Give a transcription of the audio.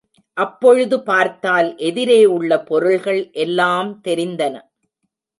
அப்பொழுது பார்த்தால் எதிரே உள்ள பொருள்கள் எல்லாம் தெரிந்தன.